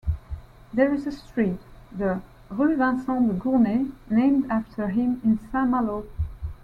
There is a street, the "Rue Vincent-de-Gournay", named after him in Saint-Malo.